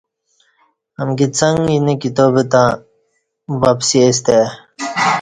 امکی څݣ اینه کتابه تں وپسی سته ای